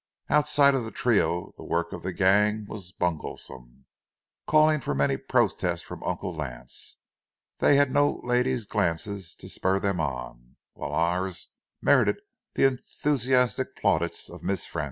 Outside of the trio, the work of the gang was bunglesome, calling for many a protest from Uncle Lance,—they had no lady's glance to spur them on,—while ours merited the enthusiastic plaudits of Miss Frances.